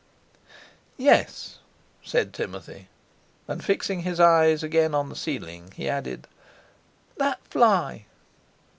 "Yes," said Timothy, and, fixing his eyes again on the ceiling, he added: "That fly!"